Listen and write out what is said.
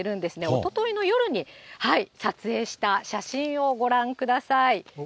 おとといの夜に撮影した写真をご覧ください。